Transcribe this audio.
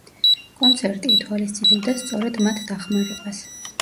კონცერტი ითვალისწინებდა სწორედ მათ დახმარებას.